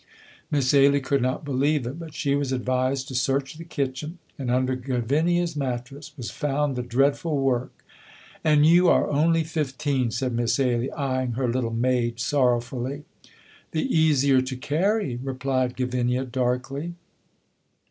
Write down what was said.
Miss Ailie could not believe it, but she was advised to search the kitchen, and under Gavinia's mattress was found the dreadful work. "And you are only fifteen!" said Miss Ailie, eying her little maid sorrowfully. "The easier to carry," replied Gavinia, darkly.